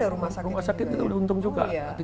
rumah sakit kita udah untung juga